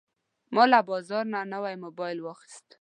ما له بازار نه نوی موبایل واخیست.